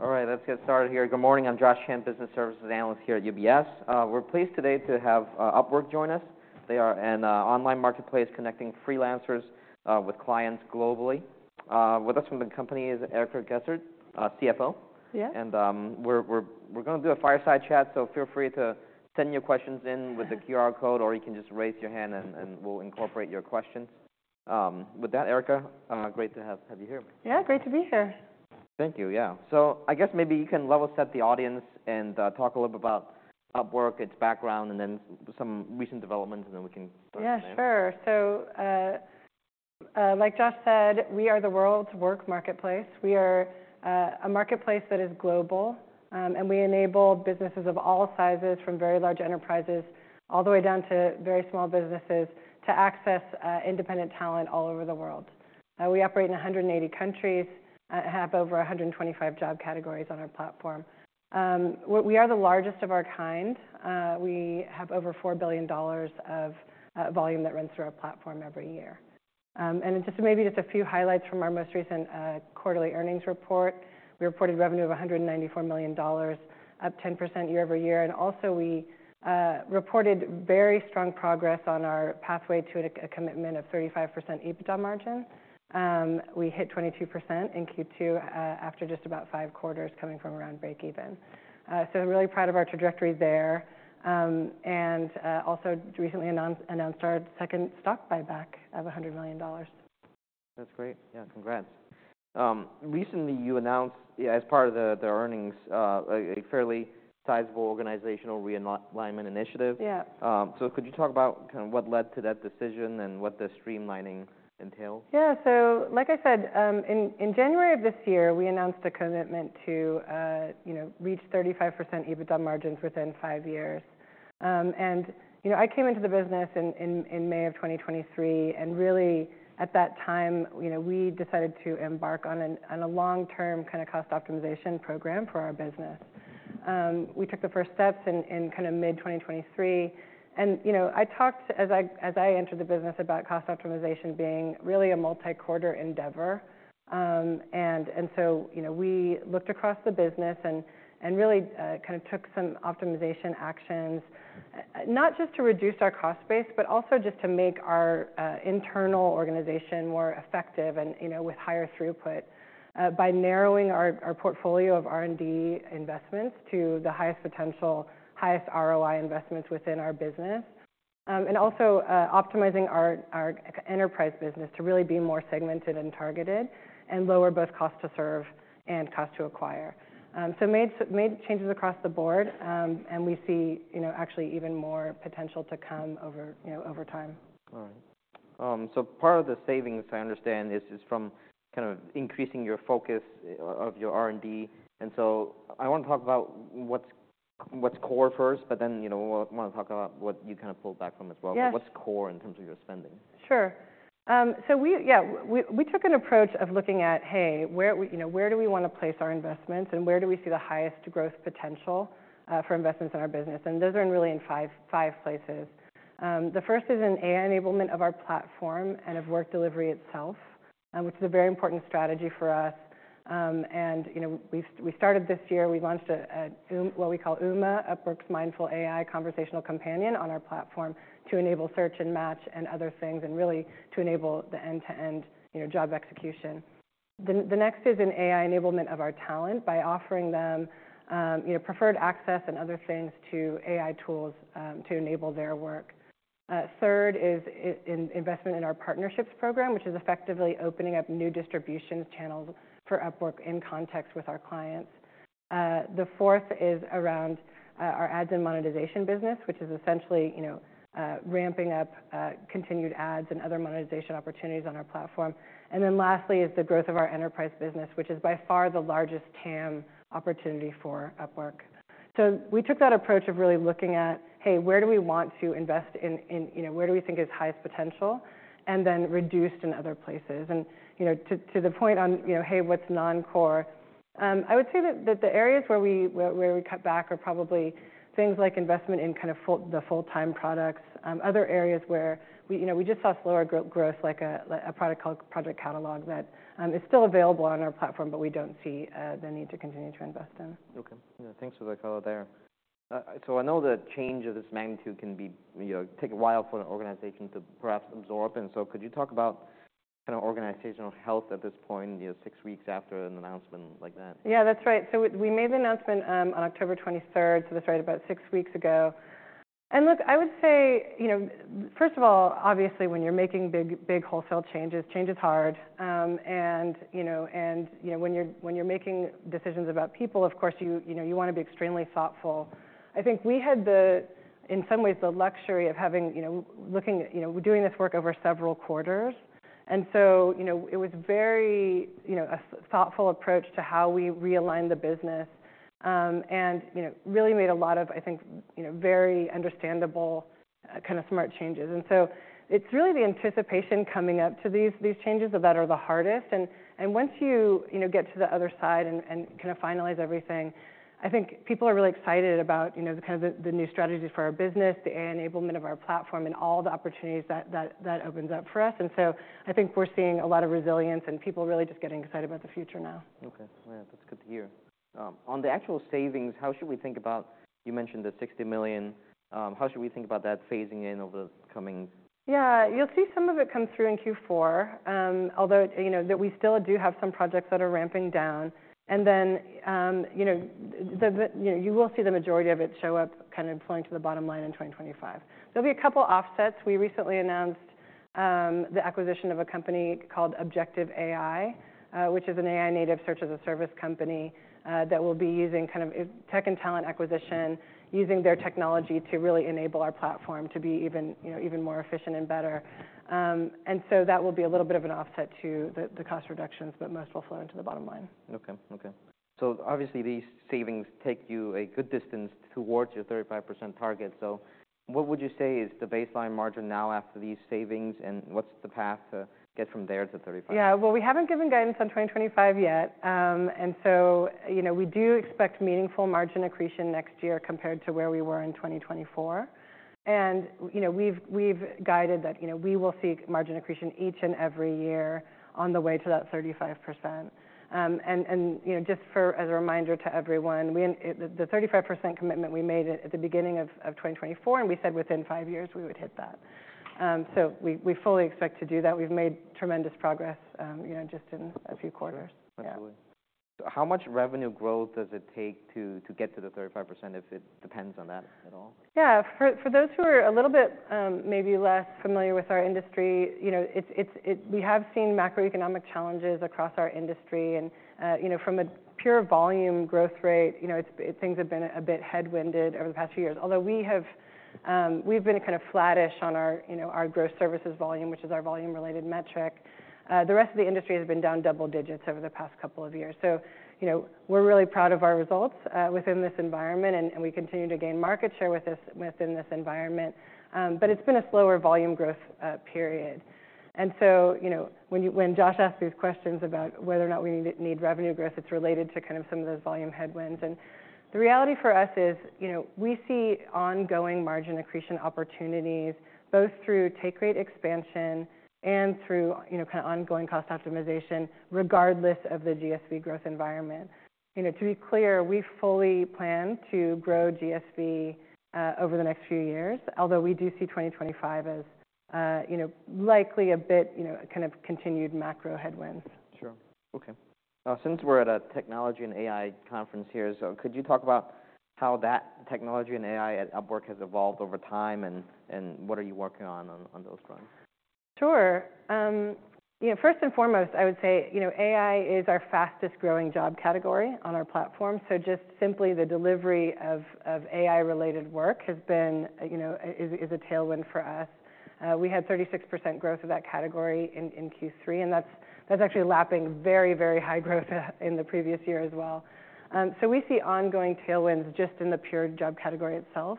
All right. Let's get started here. Good morning. I'm Josh Chan, business services analyst here at UBS. We're pleased today to have Upwork join us. They are an online marketplace connecting freelancers with clients globally. With us from the company is Erica Gessert, CFO. Yeah. We're gonna do a fireside chat, so feel free to send your questions in with the QR code, or you can just raise your hand, and we'll incorporate your questions. With that, Erica, great to have you here. Yeah. Great to be here. Thank you. Yeah. So I guess maybe you can level set the audience and talk a little bit about Upwork, its background, and then some recent developments, and then we can start. Yeah. Sure, so like Josh said, we are the world's work marketplace. We are a marketplace that is global, and we enable businesses of all sizes, from very large enterprises all the way down to very small businesses, to access independent talent all over the world. We operate in 180 countries, have over 125 job categories on our platform. We are the largest of our kind. We have over $4 billion of volume that runs through our platform every year, and just a few highlights from our most recent quarterly earnings report. We reported revenue of $194 million, up 10% year-over-year, and also we reported very strong progress on our pathway to a commitment of 35% EBITDA margin. We hit 22% in Q2, after just about five quarters coming from around break-even, so really proud of our trajectory there. And, also recently announced our second stock buyback of $100 million. That's great. Yeah. Congrats. Recently you announced, as part of the earnings, a fairly sizable organizational realignment initiative. Yeah. So could you talk about kinda what led to that decision and what the streamlining entailed? Yeah, so like I said, in January of this year, we announced a commitment to, you know, reach 35% EBITDA margins within five years, and you know, I came into the business in May of 2023, and really, at that time, you know, we decided to embark on a long-term kinda cost optimization program for our business, we took the first steps in kinda mid-2023, and you know, I talked, as I entered the business, about cost optimization being really a multi-quarter endeavor, and so you know, we looked across the business and really kinda took some optimization actions, not just to reduce our cost base, but also just to make our internal organization more effective and, you know, with higher throughput, by narrowing our portfolio of R&D investments to the highest potential, highest ROI investments within our business. And also, optimizing our Enterprise business to really be more segmented and targeted and lower both cost to serve and cost to acquire. So made changes across the board, and we see, you know, actually even more potential to come over, you know, over time. All right, so part of the savings, I understand, is from kind of increasing your focus of your R&D, and so I wanna talk about what's core first, but then, you know, want to talk about what you kinda pulled back from as well. Yeah. What's core in terms of your spending? Sure. So we took an approach of looking at, hey, where we, you know, where do we wanna place our investments and where do we see the highest growth potential for investments in our business? And those are really in five places. The first is in AI enablement of our platform and of work delivery itself, which is a very important strategy for us. And, you know, we've started this year. We launched a what we call Uma, Upwork's Mindful AI conversational companion, on our platform to enable search and match and other things, and really to enable the end-to-end, you know, job execution. The next is in AI enablement of our talent by offering them, you know, preferred access and other things to AI tools, to enable their work. The third is an investment in our Partnerships program, which is effectively opening up new distribution channels for Upwork in context with our clients. The fourth is around our ads and monetization business, which is essentially, you know, ramping up continued ads and other monetization opportunities on our platform. Then lastly is the growth of our Enterprise business, which is by far the largest TAM opportunity for Upwork. So we took that approach of really looking at, hey, where do we want to invest in, you know, where do we think is highest potential, and then reduced in other places. You know, to the point on, you know, hey, what's non-core, I would say that the areas where we cut back are probably things like investment in kind of full-time products. Other areas where we, you know, we just saw slower growth like a product called Project Catalog that is still available on our platform, but we don't see the need to continue to invest in. Okay. Yeah. Thanks for the color there. So I know the change of this magnitude can be, you know, take a while for an organization to perhaps absorb. And so could you talk about kinda organizational health at this point, you know, six weeks after an announcement like that? Yeah. That's right. So we made the announcement on October 23rd, so that's right about six weeks ago. And look, I would say, you know, first of all, obviously, when you're making big wholesale changes, change is hard. And you know, when you're making decisions about people, of course, you know, you wanna be extremely thoughtful. I think we had, in some ways, the luxury of having you know, looking, you know, doing this work over several quarters. And so, you know, it was very you know a thoughtful approach to how we realign the business, and you know, really made a lot of, I think, you know, very understandable, kinda smart changes. And so it's really the anticipation coming up to these changes that are the hardest. And once you get to the other side, you know, and kinda finalize everything, I think people are really excited about you know the kind of new strategies for our business, the AI enablement of our platform, and all the opportunities that opens up for us. And so I think we're seeing a lot of resilience and people really just getting excited about the future now. Okay. Yeah. That's good to hear. On the actual savings, how should we think about, you mentioned the $60 million, how should we think about that phasing in over the coming? Yeah. You'll see some of it come through in Q4, although, you know, that we still do have some projects that are ramping down. And then, you know, the, you know, you will see the majority of it show up kinda employing to the bottom line in 2025. There'll be a couple offsets. We recently announced the acquisition of a company called Objective AI, which is an AI-native search-as-a-service company, that will be using kind of tech and talent acquisition, using their technology to really enable our platform to be even, you know, even more efficient and better. And so that will be a little bit of an offset to the cost reductions, but most will flow into the bottom line. Okay. So obviously, these savings take you a good distance towards your 35% target. So what would you say is the baseline margin now after these savings, and what's the path to get from there to 35%? Yeah. Well, we haven't given guidance on 2025 yet, and so, you know, we do expect meaningful margin accretion next year compared to where we were in 2024. And, you know, we've guided that, you know, we will see margin accretion each and every year on the way to that 35%. And, you know, just as a reminder to everyone, the 35% commitment we made at the beginning of 2024, and we said within five years we would hit that, so we fully expect to do that. We've made tremendous progress, you know, just in a few quarters. Yeah. Absolutely. How much revenue growth does it take to, to get to the 35% if it depends on that at all? Yeah. For those who are a little bit, maybe less familiar with our industry, you know, we have seen macroeconomic challenges across our industry. You know, from a pure volume growth rate, you know, things have been a bit headwinded over the past few years. Although we've been kinda flattish on our, you know, our Gross Services Volume, which is our volume-related metric. The rest of the industry has been down double digits over the past couple of years. So, you know, we're really proud of our results within this environment, and we continue to gain market share with this, within this environment. It's been a slower volume growth period. So, you know, when Josh asked these questions about whether or not we need revenue growth, it's related to kind of some of those volume headwinds. The reality for us is, you know, we see ongoing margin accretion opportunities both through take rate expansion and through, you know, kinda ongoing cost optimization regardless of the GSV growth environment. You know, to be clear, we fully plan to grow GSV over the next few years, although we do see 2025 as, you know, likely a bit, you know, kind of continued macro headwinds. Sure. Okay. Since we're at a technology and AI conference here, so could you talk about how that technology and AI at Upwork has evolved over time and what are you working on those fronts? Sure. You know, first and foremost, I would say, you know, AI is our fastest growing job category on our platform. So just simply the delivery of AI-related work has been, you know, is a tailwind for us. We had 36% growth of that category in Q3, and that's actually lapping very, very high growth in the previous year as well. So we see ongoing tailwinds just in the pure job category itself.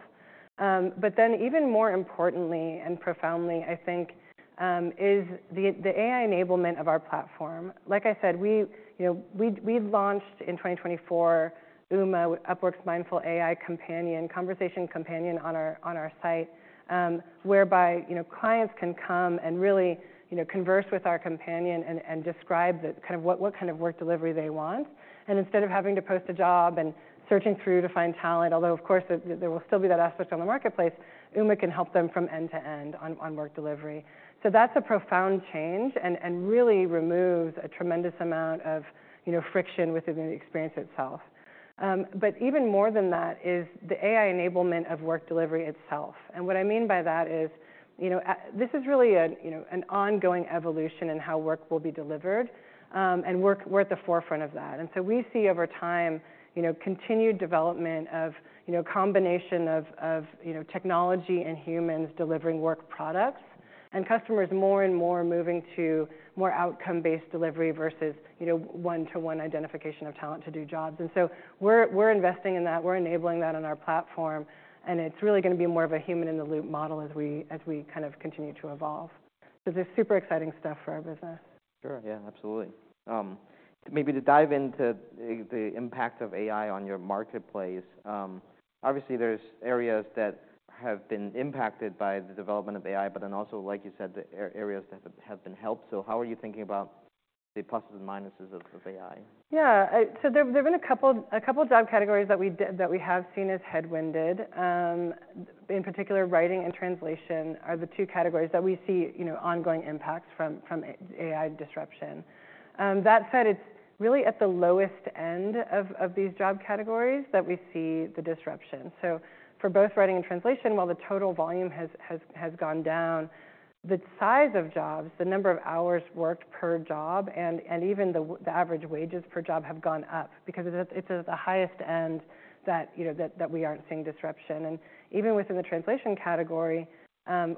But then even more importantly and profoundly, I think, is the AI enablement of our platform. Like I said, we, you know, we launched in 2024 Uma, Upwork's Mindful AI companion, conversation companion on our site, whereby, you know, clients can come and really, you know, converse with our companion and describe the kind of what kind of work delivery they want. And instead of having to post a job and searching through to find talent, although of course there will still be that aspect on the marketplace, Uma can help them from end to end on work delivery. So that's a profound change and really removes a tremendous amount of, you know, friction within the experience itself. But even more than that is the AI enablement of work delivery itself. And what I mean by that is, you know, this is really a you know an ongoing evolution in how work will be delivered. And we're at the forefront of that. And so we see over time, you know, continued development of, you know, a combination of you know technology and humans delivering work products and customers more and more moving to more outcome-based delivery versus, you know, one-to-one identification of talent to do jobs. And so we're investing in that. We're enabling that on our platform. And it's really gonna be more of a human-in-the-loop model as we kind of continue to evolve. So there's super exciting stuff for our business. Sure. Yeah. Absolutely. Maybe to dive into the impact of AI on your marketplace, obviously there's areas that have been impacted by the development of AI, but then also, like you said, the areas that have been helped. So how are you thinking about the pluses and minuses of AI? Yeah. So there've been a couple job categories that we have seen as headwinded. In particular, writing and translation are the two categories that we see, you know, ongoing impacts from AI disruption. That said, it's really at the lowest end of these job categories that we see the disruption. So for both writing and translation, while the total volume has gone down, the size of jobs, the number of hours worked per job, and even the average wages per job have gone up because it's at the highest end that, you know, that we aren't seeing disruption. And even within the translation category,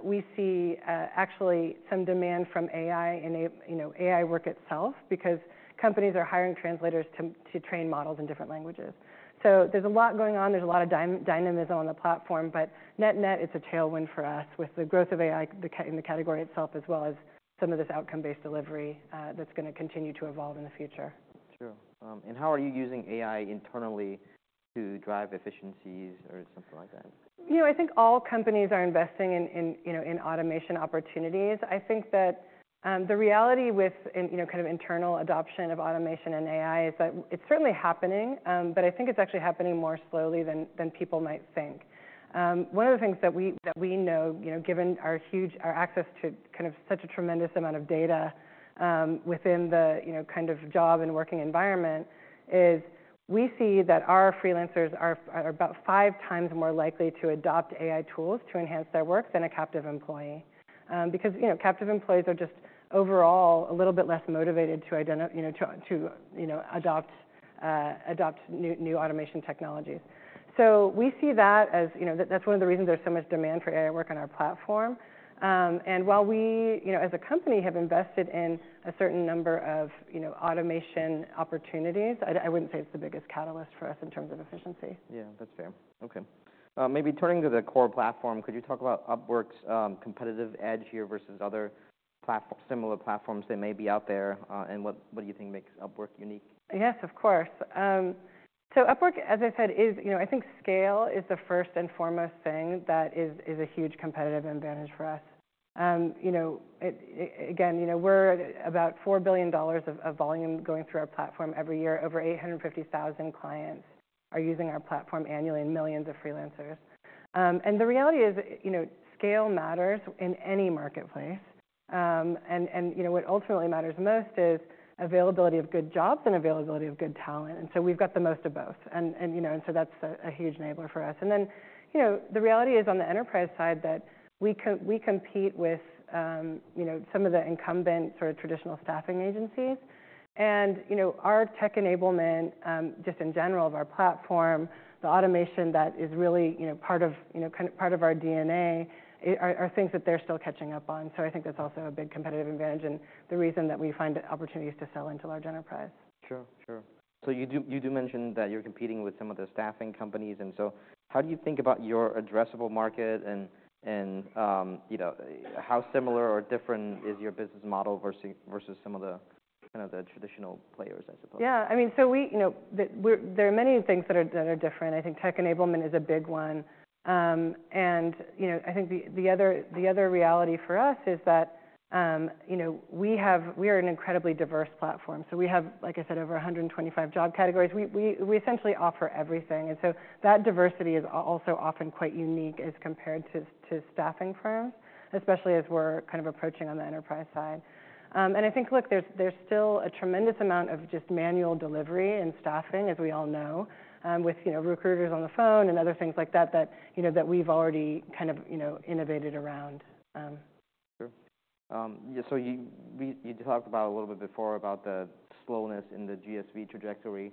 we see actually some demand from AI in, you know, AI work itself because companies are hiring translators to train models in different languages. So there's a lot going on. There's a lot of dynamism on the platform, but net-net it's a tailwind for us with the growth of AI in the category itself as well as some of this outcome-based delivery. That's gonna continue to evolve in the future. Sure. And how are you using AI internally to drive efficiencies or something like that? You know, I think all companies are investing in automation opportunities. I think that the reality with, you know, kind of internal adoption of automation and AI is that it's certainly happening, but I think it's actually happening more slowly than people might think. One of the things that we know, you know, given our huge access to kind of such a tremendous amount of data within the, you know, kind of job and working environment is we see that our freelancers are about five times more likely to adopt AI tools to enhance their work than a captive employee. Because, you know, captive employees are just overall a little bit less motivated to adopt new automation technologies. So we see that as, you know, that that's one of the reasons there's so much demand for AI work on our platform. And while we, you know, as a company have invested in a certain number of, you know, automation opportunities, I wouldn't say it's the biggest catalyst for us in terms of efficiency. Yeah. That's fair. Okay. Maybe turning to the core platform, could you talk about Upwork's competitive edge here versus other platform, similar platforms that may be out there, and what, what do you think makes Upwork unique? Yes, of course. So Upwork, as I said, is, you know, I think scale is the first and foremost thing that is a huge competitive advantage for us. You know, it again, you know, we're about $4 billion of volume going through our platform every year. Over 850,000 clients are using our platform annually and millions of freelancers, and the reality is, you know, scale matters in any marketplace, and, you know, what ultimately matters most is availability of good jobs and availability of good talent. So we've got the most of both, and, you know, and so that's a huge enabler for us. Then, you know, the reality is on the Enterprise side that we compete with, you know, some of the incumbent sort of traditional staffing agencies. And, you know, our tech enablement, just in general of our platform, the automation that is really, you know, part of, you know, kind of part of our DNA are things that they're still catching up on. So I think that's also a big competitive advantage and the reason that we find opportunities to sell into large enterprise. Sure. So you do mention that you're competing with some of the staffing companies. And so how do you think about your addressable market and, you know, how similar or different is your business model versus some of the kind of the traditional players, I suppose? Yeah. I mean, so, you know, there are many things that are different. I think tech enablement is a big one, and, you know, I think the other reality for us is that, you know, we are an incredibly diverse platform, so we have, like I said, over 125 job categories. We essentially offer everything, and so that diversity is also often quite unique as compared to staffing firms, especially as we're kind of approaching on the Enterprise side, and I think, look, there's still a tremendous amount of just manual delivery and staffing, as we all know, with, you know, recruiters on the phone and other things like that, you know, that we've already kind of, you know, innovated around. Sure. Yeah. So you talked about a little bit before about the slowness in the GSV trajectory,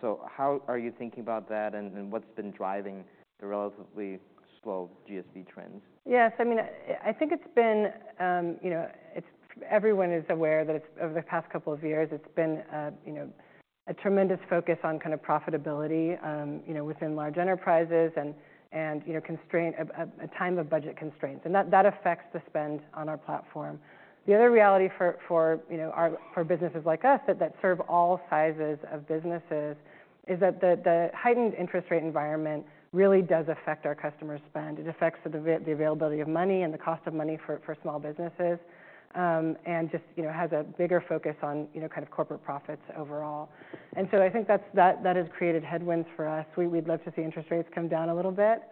so how are you thinking about that and what's been driving the relatively slow GSV trends? Yes. I mean, I think it's been, you know, everyone is aware that it's over the past couple of years, it's been, you know, a tremendous focus on kind of profitability, you know, within large enterprises and, you know, a time of budget constraints. And that affects the spend on our platform. The other reality for businesses like us that serve all sizes of businesses is that the heightened interest rate environment really does affect our customer spend. It affects the availability of money and the cost of money for small businesses, and just, you know, has a bigger focus on, you know, kind of corporate profits overall. And so I think that has created headwinds for us. We'd love to see interest rates come down a little bit.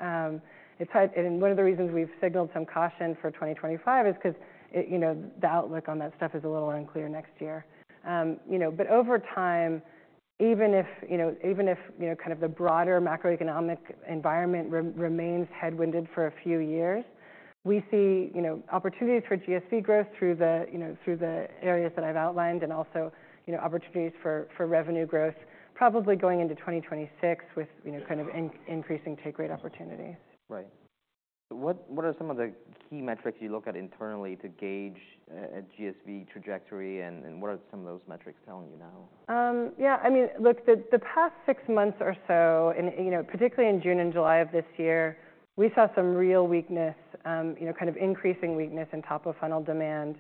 It's hard, and one of the reasons we've signaled some caution for 2025 is 'cause it, you know, the outlook on that stuff is a little unclear next year. You know, but over time, even if, you know, even if, you know, kind of the broader macroeconomic environment remains headwinded for a few years, we see, you know, opportunities for GSV growth through the, you know, through the areas that I've outlined and also, you know, opportunities for revenue growth probably going into 2026 with, you know, kind of increasing take rate opportunities. Right. What are some of the key metrics you look at internally to gauge GSV trajectory and what are some of those metrics telling you now? Yeah. I mean, look, the past six months or so, and you know, particularly in June and July of this year, we saw some real weakness, you know, kind of increasing weakness in top of funnel demand.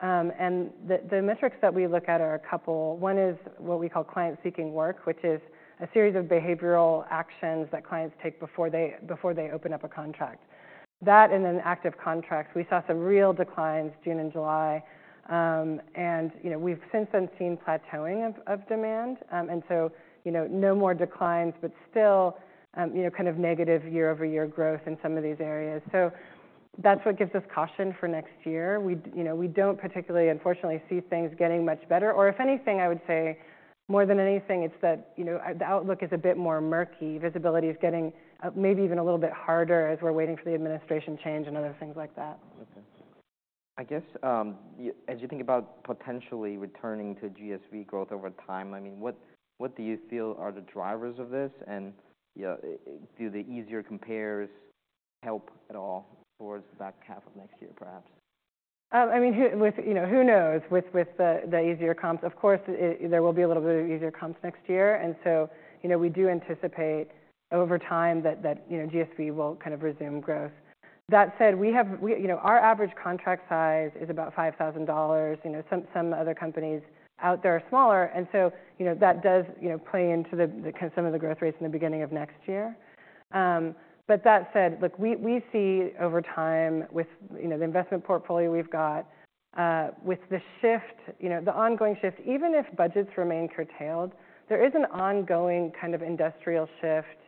The metrics that we look at are a couple. One is what we call client-seeking work, which is a series of behavioral actions that clients take before they open up a contract. That and then active contracts. We saw some real declines June and July. You know, we've since then seen plateauing of demand. So, you know, no more declines, but still, you know, kind of negative year-over-year growth in some of these areas. So that's what gives us caution for next year. We, you know, we don't particularly, unfortunately, see things getting much better. Or if anything, I would say more than anything, it's that, you know, the outlook is a bit more murky. Visibility is getting, maybe even a little bit harder as we're waiting for the administration change and other things like that. Okay. I guess, as you think about potentially returning to GSV growth over time, I mean, what do you feel are the drivers of this? And, you know, do the easier compares help at all towards that half of next year, perhaps? I mean, who knows with the easier comps. Of course, there will be a little bit of easier comps next year. And so, you know, we do anticipate over time that you know, GSV will kind of resume growth. That said, we, you know, our average contract size is about $5,000. You know, some other companies out there are smaller. And so, you know, that does you know, play into the kind of some of the growth rates in the beginning of next year. But that said, look, we see over time with, you know, the investment portfolio we've got, with the shift, you know, the ongoing shift, even if budgets remain curtailed, there is an ongoing kind of industrial shift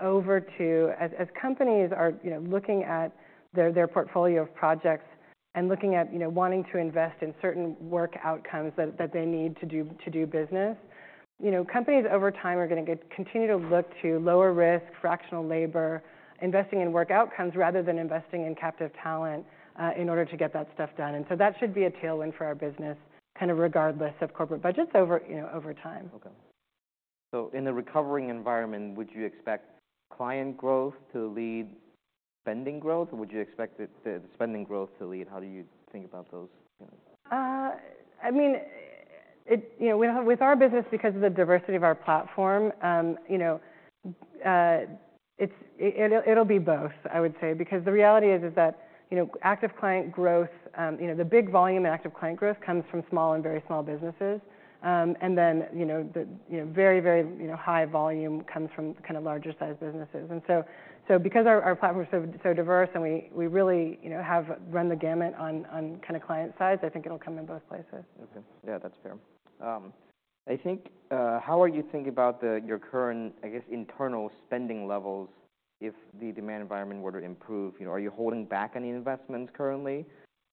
over to as companies are, you know, looking at their portfolio of projects and looking at, you know, wanting to invest in certain work outcomes that they need to do to do business. You know, companies over time are gonna continue to look to lower risk, fractional labor, investing in work outcomes rather than investing in captive talent, in order to get that stuff done. And so that should be a tailwind for our business kind of regardless of corporate budgets over, you know, over time. Okay. So in the recovering environment, would you expect client growth to lead spending growth, or would you expect the spending growth to lead? How do you think about those? I mean, you know, with our business, because of the diversity of our platform, you know, it'll be both, I would say. Because the reality is that, you know, active client growth, you know, the big volume in active Client growth comes from small and very small businesses, and then, you know, the very high volume comes from kind of larger size businesses. Because our platform's so diverse and we really, you know, have run the gamut on kind of client sides, I think it'll come in both places. Okay. Yeah. That's fair. I think, how are you thinking about the, your current, I guess, internal spending levels if the demand environment were to improve? You know, are you holding back any investments currently?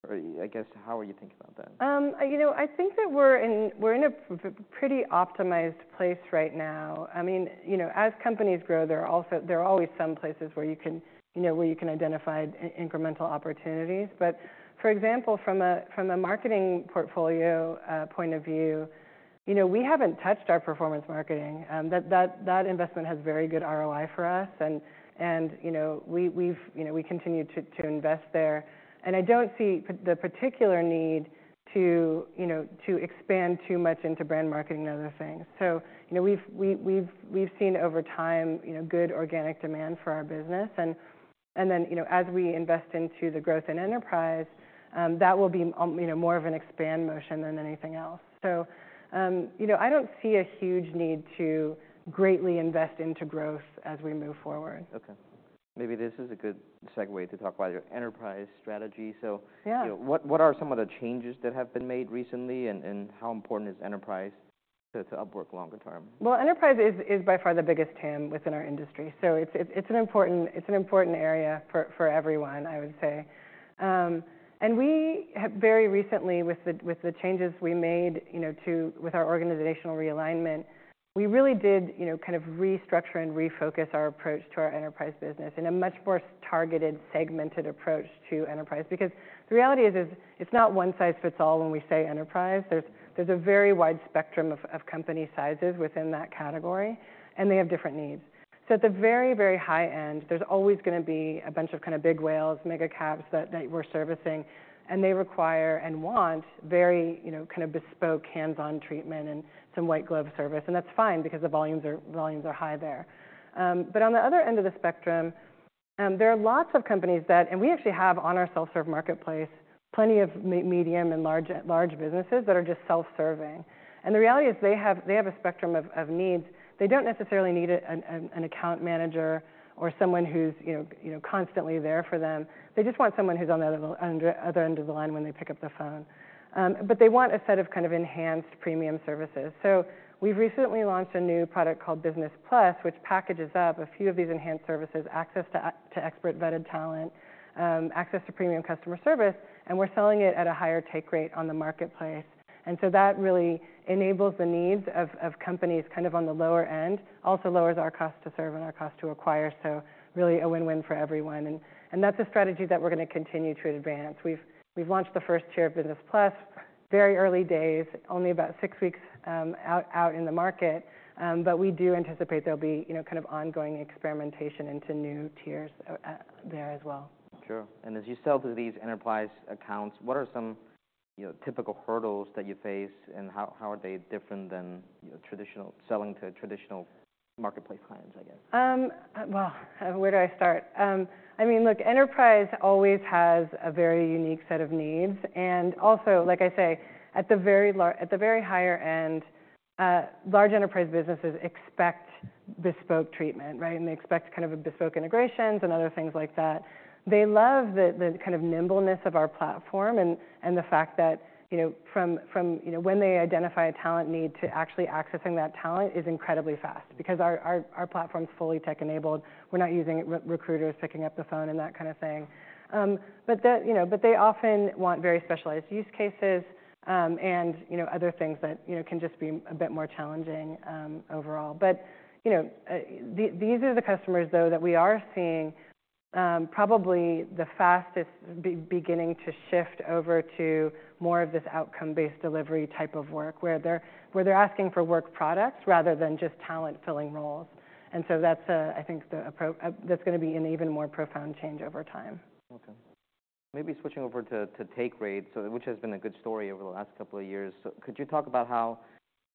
Or I guess, how are you thinking about that? You know, I think that we're in a pretty optimized place right now. I mean, you know, as companies grow, there are always some places where you can identify incremental opportunities. But for example, from a marketing portfolio point of view, you know, we haven't touched our performance marketing. That investment has very good ROI for us. And you know, we continue to invest there. And I don't see the particular need to, you know, expand too much into brand marketing and other things. So, you know, we've seen over time good organic demand for our business. And then, you know, as we invest into the growth in Enterprise, that will be more of an expand motion than anything else. So, you know, I don't see a huge need to greatly invest into growth as we move forward. Okay. Maybe this is a good segue to talk about your Enterprise strategy. So. Yeah. You know, what are some of the changes that have been made recently and how important is Enterprise to Upwork longer term? Enterprise is by far the biggest TAM within our industry. So it's an important area for everyone, I would say, and we have very recently, with the changes we made, you know, to with our organizational realignment, we really did, you know, kind of restructure and refocus our approach to our Enterprise business in a much more targeted, segmented approach to enterprise. Because the reality is, it's not one size fits all when we say enterprise. There's a very wide spectrum of company sizes within that category, and they have different needs. So at the very high end, there's always gonna be a bunch of kind of big whales, megacaps that we're servicing, and they require and want very, you know, kind of bespoke hands-on treatment and some white-glove service. And that's fine because the volumes are high there. But on the other end of the spectrum, there are lots of companies that, and we actually have on our self-serve marketplace, plenty of medium and large businesses that are just self-serving. And the reality is they have a spectrum of needs. They don't necessarily need an account manager or someone who's, you know, constantly there for them. They just want someone who's on the other end of the line when they pick up the phone. But they want a set of kind of enhanced premium services. So we've recently launched a new product called Business Plus, which packages up a few of these enhanced services, access to Expert-Vetted talent, access to premium customer service, and we're selling it at a higher take rate on the marketplace. And so that really enables the needs of companies kind of on the lower end, also lowers our cost to serve and our cost to acquire. So really a win-win for everyone. And that's a strategy that we're gonna continue to advance. We've launched the first tier of Business Plus, very early days, only about six weeks out in the market, but we do anticipate there'll be, you know, kind of ongoing experimentation into new tiers there as well. Sure. And as you sell to these Enterprise accounts, what are some, you know, typical hurdles that you face and how are they different than, you know, traditional selling to traditional marketplace clients, I guess? Where do I start? I mean, look, Enterprise always has a very unique set of needs. Also, like I say, at the very higher end, large enterprise businesses expect bespoke treatment, right? They expect kind of bespoke integrations and other things like that. They love the kind of nimbleness of our platform and the fact that, you know, from, you know, when they identify a talent need to actually accessing that talent is incredibly fast because our platform's fully tech-enabled. We're not using recruiters picking up the phone and that kind of thing. You know, they often want very specialized use cases, and, you know, other things that, you know, can just be a bit more challenging, overall. But, you know, these are the customers though that we are seeing, probably the fastest beginning to shift over to more of this outcome-based delivery type of work where they're asking for work products rather than just talent-filling roles. And so that's a, I think the approach, that's gonna be an even more profound change over time. Okay. Maybe switching over to take rate. So which has been a good story over the last couple of years. So could you talk about how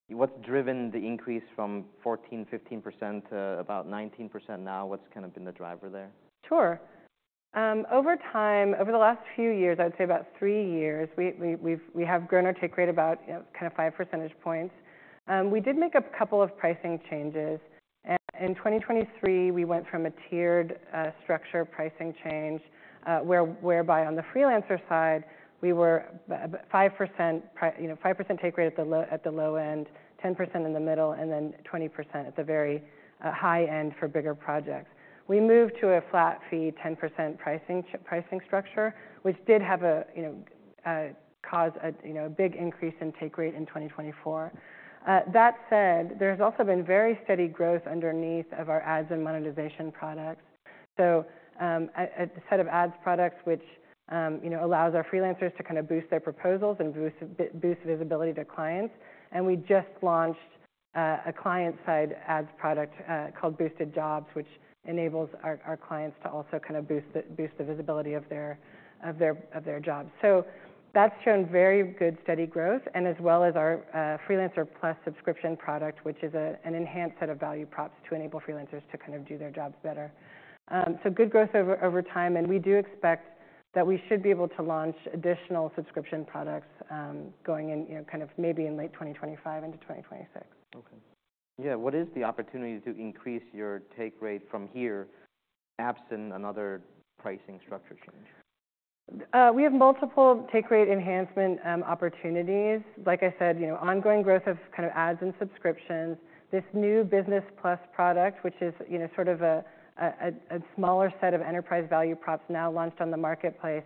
what's driven the increase from 14%-15% to about 19% now? What's kind of been the driver there? Sure. Over time, over the last few years, I'd say about three years, we have grown our take rate about, you know, kind of five percentage points. We did make a couple of pricing changes. In 2023, we went from a tiered structure pricing change, whereby on the freelancer side, we were a 5% price, you know, 5% take rate at the low end, 10% in the middle, and then 20% at the very high end for bigger projects. We moved to a flat fee 10% pricing structure, which did have a, you know, a big increase in take rate in 2024. That said, there's also been very steady growth underneath of our ads and monetization products. A set of ads products, which, you know, allows our freelancers to kind of boost their proposals and boost visibility to clients. We just launched a client-side ads product, called Boosted Jobs, which enables our clients to also kind of boost the visibility of their jobs. That's shown very good steady growth and as well as our Freelancer Plus subscription product, which is an enhanced set of value props to enable freelancers to kind of do their jobs better. Good growth over time. We do expect that we should be able to launch additional subscription products, going in, you know, kind of maybe in late 2025 into 2026. Okay. Yeah. What is the opportunity to increase your take rate from here absent another pricing structure change? We have multiple take rate enhancement opportunities. Like I said, you know, ongoing growth of kind of ads and subscriptions. This new Business Plus product, which is, you know, sort of a smaller set of enterprise value props now launched on the marketplace,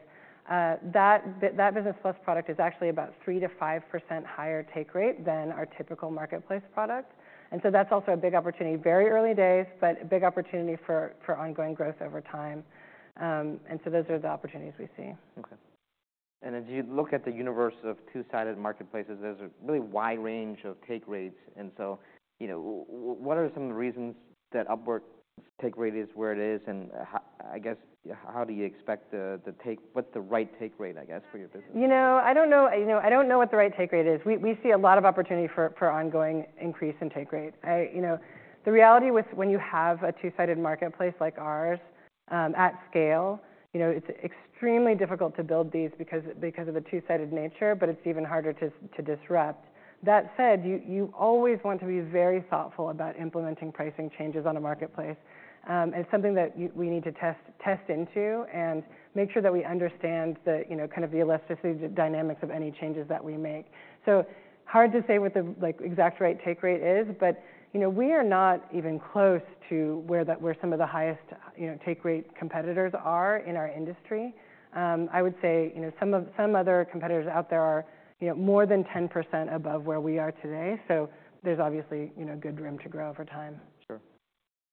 that Business Plus product is actually about 3%-5% higher take rate than our typical marketplace product. And so that's also a big opportunity, very early days, but a big opportunity for ongoing growth over time. And so those are the opportunities we see. Okay. And as you look at the universe of two-sided marketplaces, there's a really wide range of take rates. And so, you know, what are some of the reasons that Upwork's take rate is where it is? And how, I guess, do you expect the take, what's the right take rate, I guess, for your business? You know, I don't know what the right take rate is. We see a lot of opportunity for ongoing increase in take rate. You know, the reality is when you have a two-sided marketplace like ours, at scale, you know, it's extremely difficult to build these because of the two-sided nature, but it's even harder to disrupt. That said, you always want to be very thoughtful about implementing pricing changes on a marketplace. It's something that we need to test into and make sure that we understand you know, kind of the elasticity dynamics of any changes that we make. So hard to say what the, like, exact right take rate is, but, you know, we are not even close to where that, where some of the highest, you know, take rate competitors are in our industry. I would say, you know, some of, some other competitors out there are, you know, more than 10% above where we are today. So there's obviously, you know, good room to grow over time. Sure.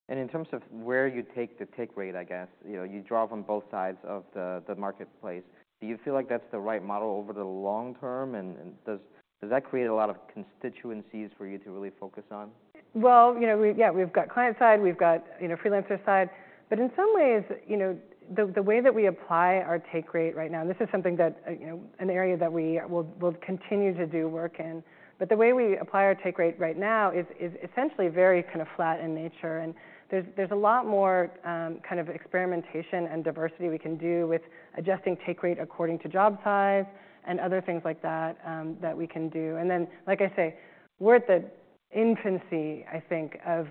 And in terms of where you take the take rate, I guess, you know, you draw from both sides of the marketplace. Do you feel like that's the right model over the long term? And does that create a lot of constituencies for you to really focus on? Well, you know, we've got client side, we've got, you know, freelancer side. But in some ways, you know, the way that we apply our take rate right now, and this is something that, you know, an area that we will continue to do work in. But the way we apply our take rate right now is essentially very kind of flat in nature. And there's a lot more, kind of experimentation and diversity we can do with adjusting take rate according to job size and other things like that that we can do. And then, like I say, we're at the infancy, I think, of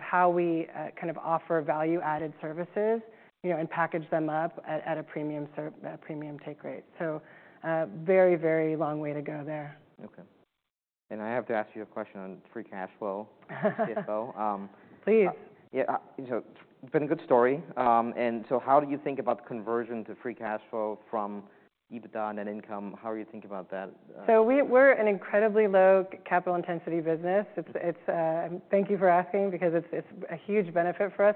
how we, kind of offer value-added services, you know, and package them up at a premium service at a premium take rate. So, very, very long way to go there. Okay. And I have to ask you a question on free cash flow, CFO. Please. Yeah. You know, it's been a good story, and so how do you think about the conversion to free cash flow from EBITDA and then income? How are you thinking about that? So we're an incredibly low capital intensity business. It's thank you for asking because it's a huge benefit for us.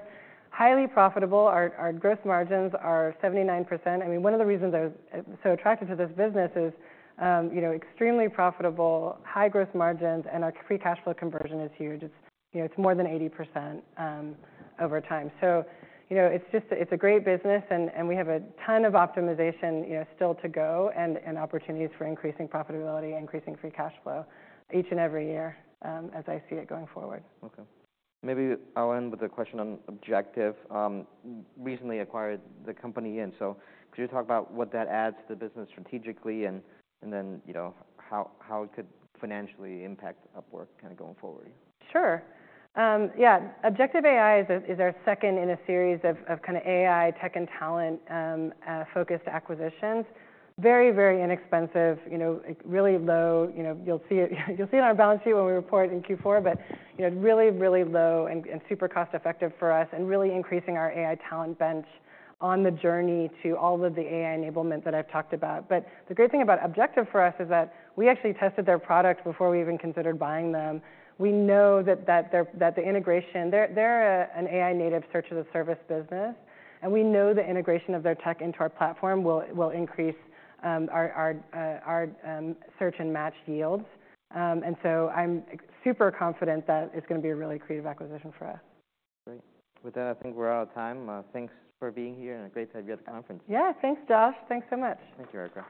Highly profitable. Our gross margins are 79%. I mean, one of the reasons I was so attracted to this business is, you know, extremely profitable, high gross margins, and our free cash flow conversion is huge. It's, you know, more than 80%, over time. So, you know, it's just a great business and we have a ton of optimization, you know, still to go and opportunities for increasing profitability, increasing free cash flow each and every year, as I see it going forward. Okay. Maybe I'll end with a question on Objective, recently acquired the company in. So could you talk about what that adds to the business strategically and then, you know, how it could financially impact Upwork kind of going forward? Sure. Yeah. Objective AI is our second in a series of kind of AI tech and talent focused acquisitions. Very, very inexpensive, you know, really low, you know, you'll see it, you'll see it on our balance sheet when we report in Q4, but, you know, really, really low and super cost-effective for us and really increasing our AI talent bench on the journey to all of the AI enablement that I've talked about. But the great thing about Objective for us is that we actually tested their product before we even considered buying them. We know that their integration, they're an AI native search-as-a-service business, and we know the integration of their tech into our platform will increase our search and match yields. And so I'm super confident that it's gonna be a really creative acquisition for us. Great. With that, I think we're out of time. Thanks for being here and a great time here at the conference. Yeah. Thanks, Josh. Thanks so much. Thank you, Erica.